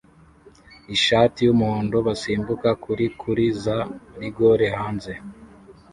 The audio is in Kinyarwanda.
ishati yumuhondo basimbuka kuri kuri za rigore hanze